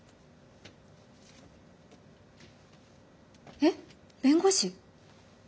えっ弁護士？